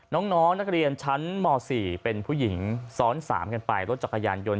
น้องนักเรียนชั้นม๔เป็นผู้หญิงซ้อน๓กันไปรถจักรยานยนต